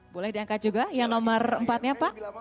boleh diangkat juga yang nomor empatnya pak